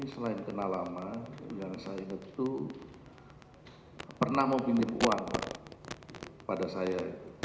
selain kenal lama yang saya ingat itu pernah mau kirim uang pada saya